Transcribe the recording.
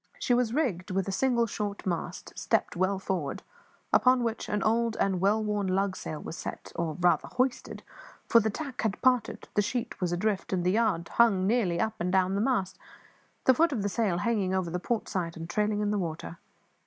She was rigged with a single short mast, stepped well forward, upon which an old and well worn lugsail was set or, rather, hoisted for the tack had parted, the sheet was adrift, and the yard hung nearly up and down the mast, the foot of the sail hanging over the port side and trailing in the water.